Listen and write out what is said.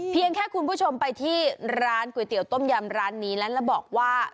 เพียงแค่คุณผู้ชมไปที่ร้านก๋วยเตี๋ยต้มยำร้านนี้และบอกว่า